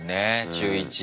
中１。